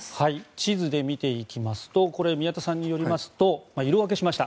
地図で見ていきますとこれ、宮田さんによりますと色分けしました。